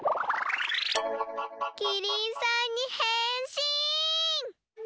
きりんさんにへんしん！